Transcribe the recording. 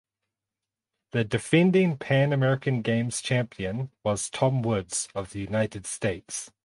The defending Pan American Games champion was Tom Woods of the United States.